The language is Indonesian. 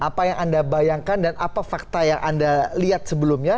apa yang anda bayangkan dan apa fakta yang anda lihat sebelumnya